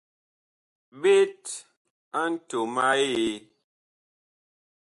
Ɓet a ntom a Eee.